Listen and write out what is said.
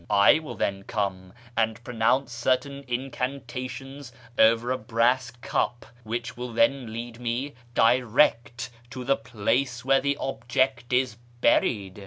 I will then come and pronounce certain incantations over a brass cup, which will then lead me direct to the place where the object is buried."